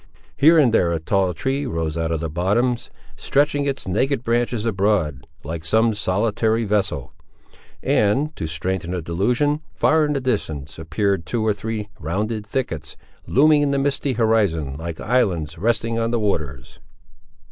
Here and there a tall tree rose out of the bottoms, stretching its naked branches abroad, like some solitary vessel; and, to strengthen the delusion, far in the distance, appeared two or three rounded thickets, looming in the misty horizon like islands resting on the waters.